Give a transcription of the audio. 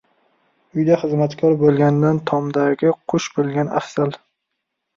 • Uyda xizmatkor bo‘lgandan tomdagi qush bo‘lgan afzal.